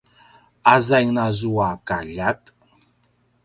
a zaing nazua kaljat